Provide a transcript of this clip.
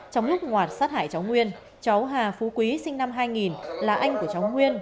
trong lúc ngoạt sát hại cháu nguyên cháu hà phú quý sinh năm hai nghìn là anh của cháu nguyên